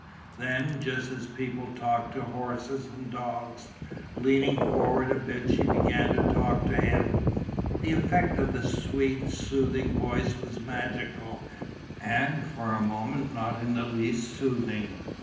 Then, just as people talk to horses and dogs, leaning forward a bit she began to talk to him. The effect of the sweet soothing voice was magical, and for a moment not in the least soothing.